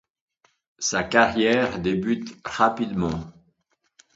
Sa carrière débute rapidement.